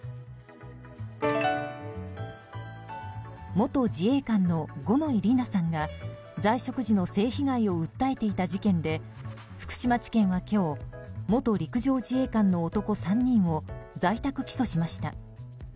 元自衛官の五ノ井里奈さんが在職時の性被害を訴えていた事件で福島地検は今日元陸上自衛官の男３人を在宅起訴しました。